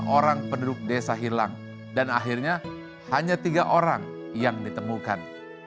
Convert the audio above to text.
dua puluh orang penduduk desa hilang dan akhirnya hanya tiga orang yang ditemukan